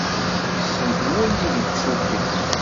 Kessent wulli deg usuki.